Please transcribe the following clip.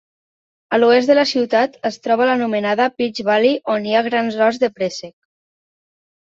A l'oest de la ciutat es troba l'anomenada Peach Valley on hi ha grans horts de préssec.